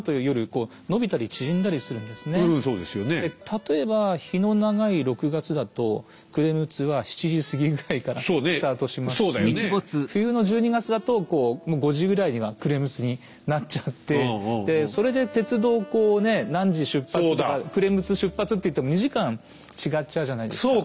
例えば日の長い６月だと暮れ六つは７時過ぎぐらいからスタートしますし冬の１２月だともう５時ぐらいには暮れ六つになっちゃってそれで鉄道をこうね何時出発とか暮れ六つ出発っていっても２時間違っちゃうじゃないですか。